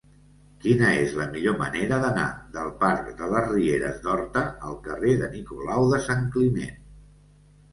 Quina és la millor manera d'anar del parc de les Rieres d'Horta al carrer de Nicolau de Sant Climent?